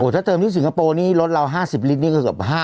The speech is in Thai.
ถ้าเติมที่สิงคโปรนี่ลดเรา๕๐ลิกนี่ก็เกือบ๕๐๐๐นะฮะ